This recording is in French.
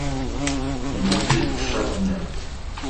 Il était charognard.